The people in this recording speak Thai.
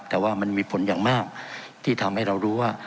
แต่ว่ามันมีผลอย่างมากที่ทำให้เรารู้ว่า